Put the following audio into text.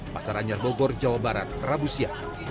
pasar anjar bogor jawa barat rabusia